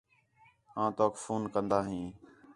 آں تَؤک فون کندا ہیں